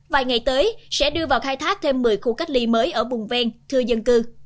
học viện chính trị quốc gia hồ chí minh cho biết vừa đưa vào khai thác thêm một mươi khu cách ly mới ở bùng ven thư dân cư